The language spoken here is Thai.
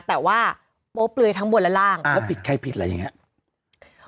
แต่ว่าโป๊บเลยทั้งบนและล่างอ่าเขาปิดใครปิดล่ะอย่างเงี้ย